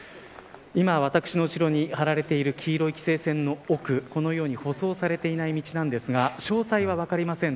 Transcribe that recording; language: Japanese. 今、私の後ろに張られている黄色の規制線の奥このように舗装されていない道ですが、詳細は分かりません。